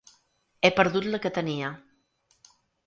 He perdut la que tenia.